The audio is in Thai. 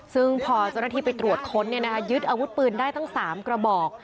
ซึ่งพอเจ้าหน้าที่ไปตรวจค้นยึดอาวุธปืนได้ตั้ง๓กระบอก